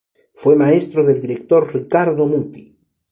Fue maestro del director Riccardo Muti.